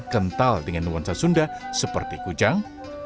kental dengan nuansa sunda seperti kujang